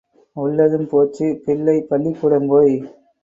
உள்ளதும் போச்சு, பிள்ளை பள்ளிக்கூடம் போய்.